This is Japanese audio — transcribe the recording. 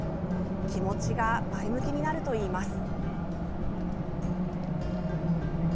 気持ちが前向きになるといいます。